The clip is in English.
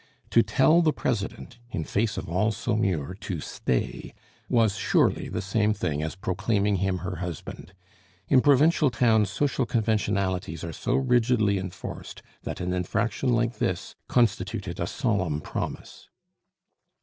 To tell the president, in face of all Saumur, to "stay," was surely the same thing as proclaiming him her husband. In provincial towns social conventionalities are so rigidly enforced than an infraction like this constituted a solemn promise.